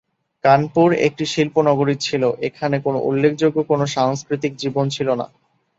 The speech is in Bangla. কানপুর একটি শিল্প নগরী ছিল, এখানে কোন উল্লেখযোগ্য কোন সাংস্কৃতিক জীবন ছিলনা।